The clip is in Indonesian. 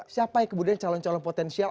siapa yang kemudian calon calon potensial